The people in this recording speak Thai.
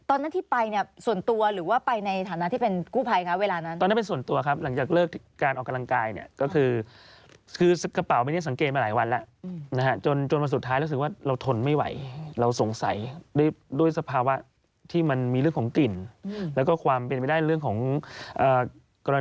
ตอนนั้นที่ไปเนี่ยส่วนตัวหรือว่าไปในฐานะที่เป็นกู้ภัยคะเวลานั้นตอนนั้นเป็นส่วนตัวครับหลังจากเลิกการออกกำลังกายเนี่ยก็คือคือกระเป๋าไม่ได้สังเกตมาหลายวันแล้วนะฮะจนจนวันสุดท้ายรู้สึกว่าเราทนไม่ไหวเราสงสัยด้วยด้วยสภาวะที่มันมีเรื่องของกลิ่นแล้วก็ความเป็นไปได้เรื่องของกรณี